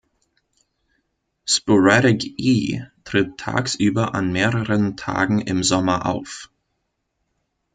Sporadic-E tritt tagsüber an mehreren Tagen im Sommer auf.